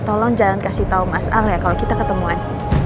tolong jangan kasih tahu mas al ya kalau kita ketemuan